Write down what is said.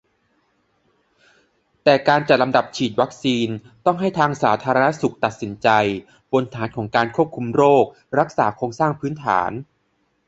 แต่การจัดลำดับฉีดวัคซีนต้องให้ทางสาธารณสุขตัดสินใจ บนฐานของการควบคุมโรค-รักษาโครงสร้างพื้นฐาน